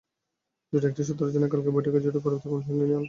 জোটের একটি সূত্র জানায়, কালকের বৈঠকে জোটের পরবর্তী কর্মসূচি নিয়ে আলোচনা হবে।